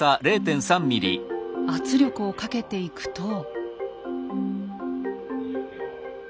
圧力をかけていくと。